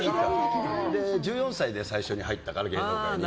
１４歳で最初に入ったから芸能界に。